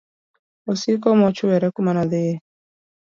osiko mochwere kuma nodhie.